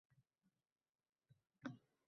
Asrlardan buyon cho‘l-biyobon bo‘lib yotibdi.